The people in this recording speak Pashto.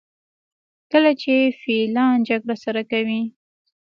کله چې فیلان جګړه سره کوي.